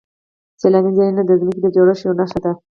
سیلاني ځایونه د ځمکې د جوړښت یوه نښه ده.